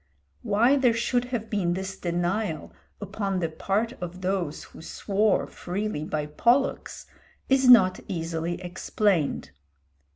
Why there should have been this denial upon the part of those who swore freely by Pollux is not easily explained.